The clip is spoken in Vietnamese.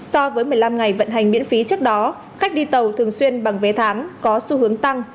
so với một mươi năm ngày vận hành miễn phí trước đó khách đi tàu thường xuyên bằng vé tháng có xu hướng tăng